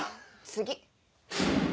次。